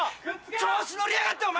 調子乗りやがってお前！